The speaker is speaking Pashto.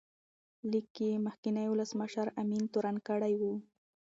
لیک کې یې مخکینی ولسمشر امین تورن کړی و.